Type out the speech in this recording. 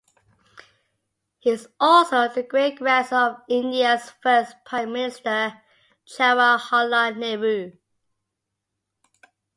He is also the great-grandson of India's first Prime Minister, Jawaharlal Nehru.